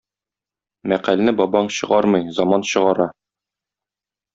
Мәкальне бабаң чыгармый, заман чыгара.